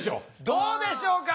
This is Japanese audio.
どうでしょうか？